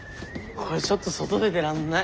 これちょっと外出てらんない。